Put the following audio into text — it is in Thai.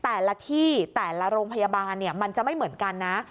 แต่ละที่แต่ละโรงพยาบาลมันจะไม่เหมือนกันนะ